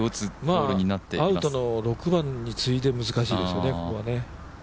アウトの６番に次いでここは難しいですね。